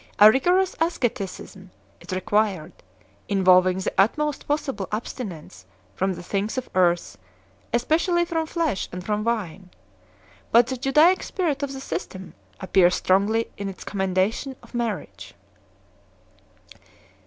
A rigorous asceticism is required, involving the utmost possible abstinence from the things of earth, espe cially from flesh and from wine ; but the Judaic spirit of the system appears strongly in its commendation of mar riage.